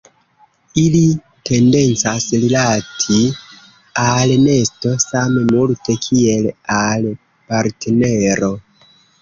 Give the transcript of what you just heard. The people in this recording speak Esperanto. Ili tendencas rilati al nesto same multe kiel al partnero.